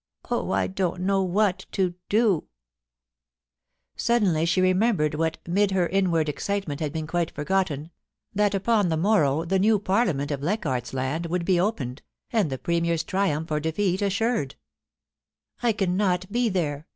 Oh, I don't know what to do !' Suddenly she remembered what 'mid her inward excite ment had been quite forgotten — that upon the morrow the new Parliament of Leichardt's Land would be opened, and the Premier's triumph or defeat assured * I cannot be there